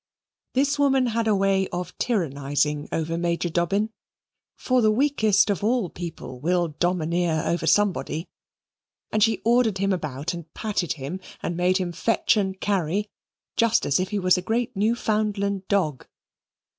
This woman had a way of tyrannizing over Major Dobbin (for the weakest of all people will domineer over somebody), and she ordered him about, and patted him, and made him fetch and carry just as if he was a great Newfoundland dog.